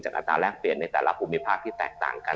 อัตราแรกเปลี่ยนในแต่ละภูมิภาคที่แตกต่างกัน